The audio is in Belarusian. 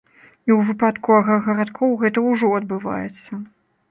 І ў выпадку аграгарадкоў гэта ўжо адбываецца.